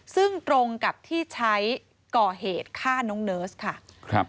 ซึ่งตรงกับที่ใช้ก่อเหตุฆ่าน้องเนิร์สค่ะ